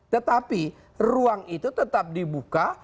tetapi ruang itu tetap dibuka